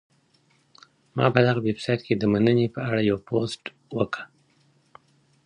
ما په دغه ویبسایټ کي د مننې په اړه یو پوسټ وکهمېشهی.